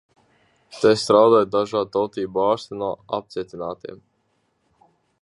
Te strādāja dažādu tautību ārsti no apcietinātiem.